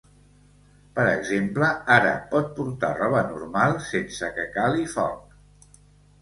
Per exemple, ara pot portar roba normal sense que cali foc.